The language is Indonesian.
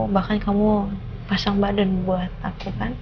bahkan kamu pasang badan buat aku kan